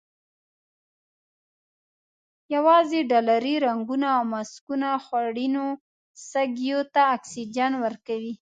یوازې ډالري رنګونه او ماسکونه خوړینو سږیو ته اکسیجن ورکوي.